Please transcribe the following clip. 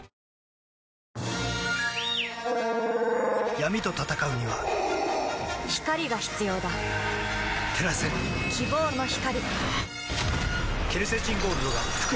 闇と闘うには光が必要だ照らせ希望の光